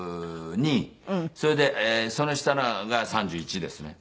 それでその下が３１ですね。